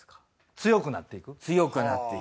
強くなっていく。